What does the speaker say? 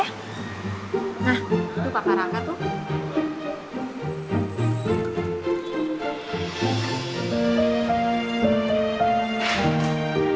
nah itu pakarangka tuh